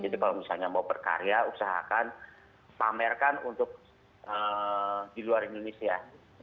jadi kalau misalnya mau berkarya usahakan pamerkan untuk di luar indonesia